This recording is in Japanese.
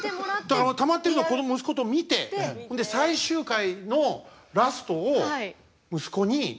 だからたまってるの息子と見て最終回のラストを息子に「いいか」と。